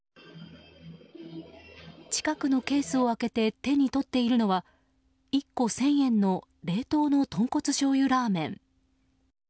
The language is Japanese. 近くのケースを開けて手に取っているのは１個１０００円の冷凍の豚骨しょうゆラーメン。